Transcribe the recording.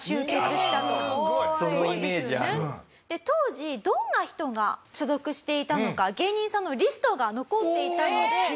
当時どんな人が所属していたのか芸人さんのリストが残っていたので。